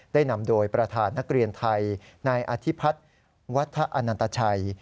ได้นำโดยประธานนักเรียนไทยนายอธิพัฒน์วัฒนันตชัย